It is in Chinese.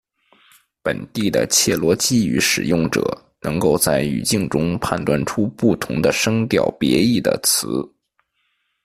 本地的切罗基语使用者能够在语境中判断出不同的声调别义的词。